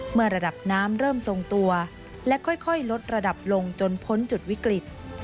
ระดับน้ำเริ่มทรงตัวและค่อยลดระดับลงจนพ้นจุดวิกฤต